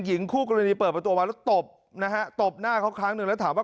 หญิงคู่กรณีเปิดประตูมาแล้วตบนะฮะตบหน้าเขาครั้งหนึ่งแล้วถามว่า